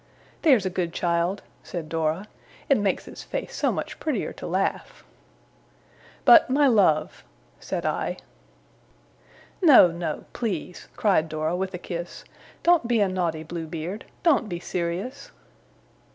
'There's a good child,' said Dora, 'it makes its face so much prettier to laugh.' 'But, my love,' said I. 'No, no! please!' cried Dora, with a kiss, 'don't be a naughty Blue Beard! Don't be serious!